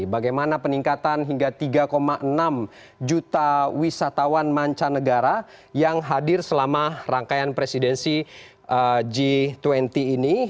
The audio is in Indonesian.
bagaimana peningkatan hingga tiga enam juta wisatawan mancanegara yang hadir selama rangkaian presidensi g dua puluh ini